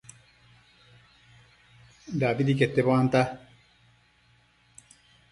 dabidi quete buanta